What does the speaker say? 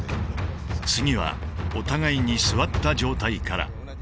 次はお互いに座った状態から。